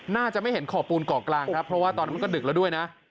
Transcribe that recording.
น่าจะไม่เห็นขอบปูนเกาะกลางครับเพราะว่าตอนนั้นมันก็ดึกแล้วด้วยนะ